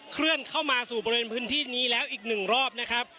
เคลื่อนเข้ามาสู่บริเวณพื้นที่นี้แล้วอีกหนึ่งรอบนะครับ